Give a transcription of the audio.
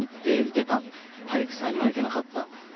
体育祭には行けなかった。